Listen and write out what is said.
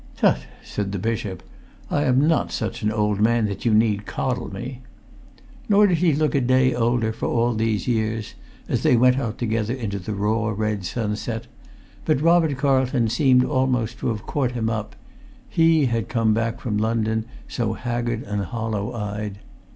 "Tut!" said the bishop, "I am not such an old man that you need coddle me." Nor did he look a day older for all these years, as they went out together into the raw red sunset. But Robert Carlton seemed almost to have caught him up: he had come back from London so haggard and hollow eyed.